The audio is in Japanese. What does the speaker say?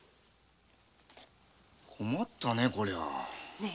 困ったねこりゃ。